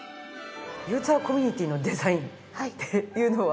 ユーザーコミュニティのデザインっていうのは。